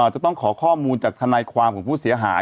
จะต้องขอข้อมูลจากทนายความของผู้เสียหาย